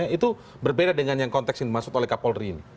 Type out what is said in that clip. itu berbeda dengan yang konteks yang dimaksud oleh kapolri ini